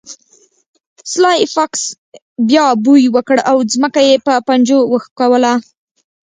سلای فاکس بیا بوی وکړ او ځمکه یې په پنجو وښکوله